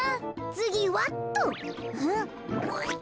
つぎはっと。